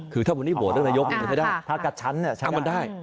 คือถ้าวันนี้โหวตเรื่องนายกไม่ได้เอามันได้